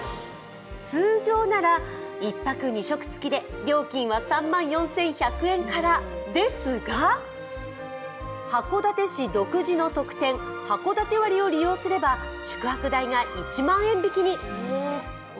通常なら１泊２食つきで料金は３万４１００円からですが函館市独自の特典・はこだて割を利用すれば宿泊代が１万円引きに。